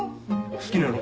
好きなの。